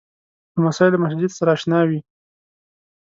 لمسی له مسجد سره اشنا وي.